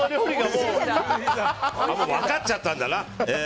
もう分かっちゃったんだな。